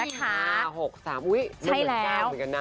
๖๓อุ๊ยไม่เหมือนกันเหมือนกันนะ